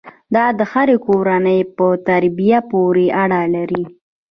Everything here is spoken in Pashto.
دا د هرې کورنۍ په تربیې پورې اړه لري.